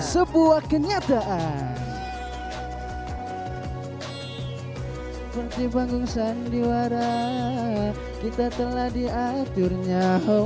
seperti panggung sandiwara kita telah diaturnya